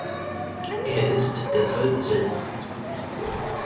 Er ist deshalb selten.